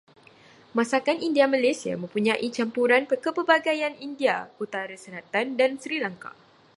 Masakan India Malaysia mempunyai campuran kepelbagaian India utara-selatan dan Sri Lanka.